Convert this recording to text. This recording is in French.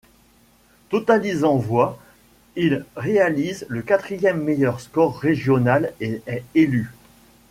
Totalisant voix, il réalise le quatrième meilleur score régional et est élu.